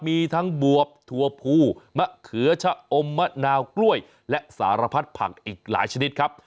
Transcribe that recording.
มีทั้งบวบถั่วภูมะเขือชะอมมะนาวกล้วยและสารพัดผักอีกหลายชนิดครับ